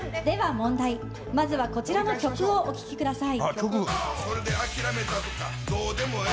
まずはこちらの曲をお聴きください。